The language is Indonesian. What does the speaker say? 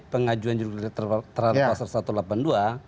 pengajuan terhadap pasar satu ratus delapan puluh dua